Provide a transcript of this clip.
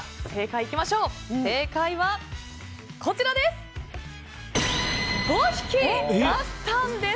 正解は、５匹だったんです。